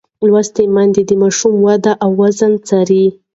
لوستې میندې د ماشوم وده او وزن څاري.